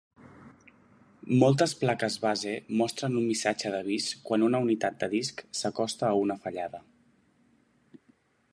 Moltes plaques base mostren un missatge d'avís quan una unitat de disc s'acosta a una fallada.